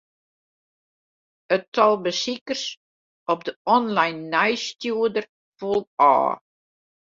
It tal besikers op de online nijsstjoerder foel ôf.